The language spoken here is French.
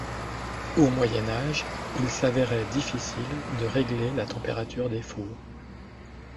Au Moyen Âge il s'avérait difficile de régler la température des fours.